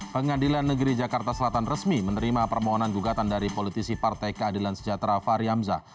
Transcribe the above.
pengadilan negeri jakarta selatan resmi menerima permohonan gugatan dari politisi partai keadilan sejahtera fahri hamzah